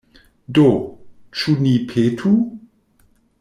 Do, ĉu ni petu?